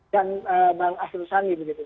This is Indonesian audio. dan bang ahdusani